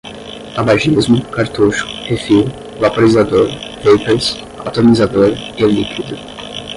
tabagismo, cartucho, refil, vaporizador, vapers, atomizador, e-líquido